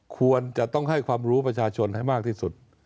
ควรจะต้องให้ความรู้ประชาชนให้มากที่สุด